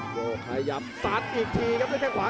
โหพยายามสัดอีกทีครับด้วยแข่งขวา